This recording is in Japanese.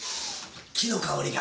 木の香りが。